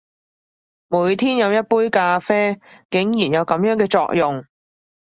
每天飲一杯咖啡，竟然有噉樣嘅作用！